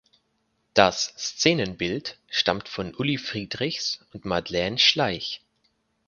Das Szenenbild stammt von Uli Friedrichs und Madeleine Schleich.